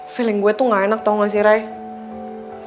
feeling gue tuh gak enak tau gak sih ray